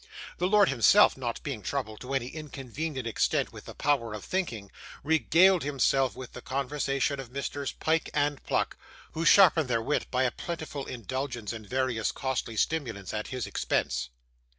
The lord himself, not being troubled to any inconvenient extent with the power of thinking, regaled himself with the conversation of Messrs Pyke and Pluck, who sharpened their wit by a plentiful indulgence in various costly stimulants at his expense.